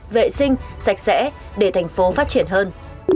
vệ sinh sạch sẽ để thành phố phát triển hơn